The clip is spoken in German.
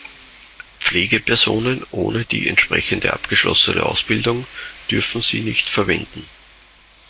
Pflegepersonen ohne die entsprechende abgeschlossene Ausbildung dürfen sie nicht verwenden.